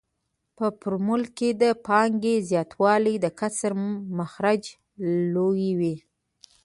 په فورمول کې د پانګې زیاتوالی د کسر مخرج لویوي